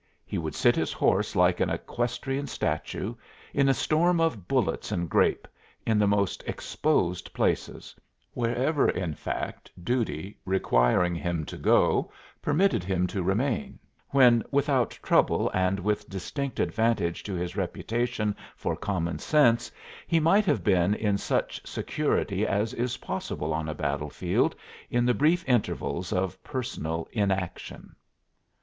He would sit his horse like an equestrian statue, in a storm of bullets and grape, in the most exposed places wherever, in fact, duty, requiring him to go, permitted him to remain when, without trouble and with distinct advantage to his reputation for common sense, he might have been in such security as is possible on a battlefield in the brief intervals of personal inaction.